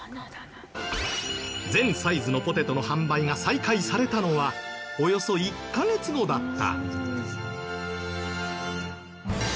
全サイズのポテトの販売が再開されたのはおよそ１カ月後だった。